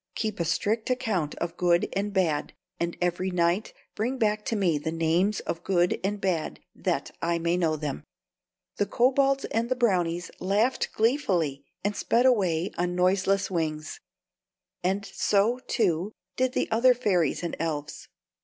Keep a strict account of good and bad, and every night bring back to me the names of good and bad, that I may know them." The kobolds and the brownies laughed gleefully, and sped away on noiseless wings; and so, too, did the other fairies and elves.